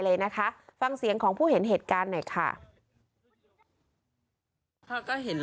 เลยนะคะฟังเสียงของผู้เห็นเหตุการณ์หน่อยค่ะ